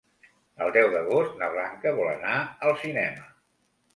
El deu d'agost na Blanca vol anar al cinema.